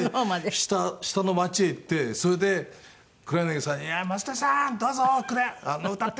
下下の街へ行ってそれで黒柳さんに「雅俊さん！どうぞ！歌って！」